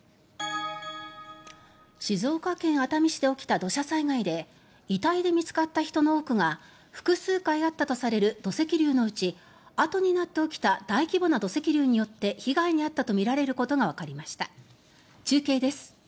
静岡県熱海市で起きた土砂災害で遺体で見つかった人の多くが複数回あったとされる土石流のうちあとになって起きた大規模な土石流によって被害に遭ったとみられることがわかりました。